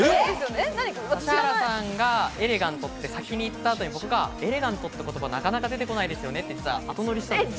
指原さんがエレガントって先に言った後にエレガントって言葉なかなか出てこないですよねって、後乗りしたんです。